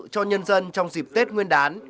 cho nhân dân trong dịp tết nguyên đán